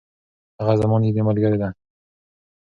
هغه زما نږدې ملګرې ده.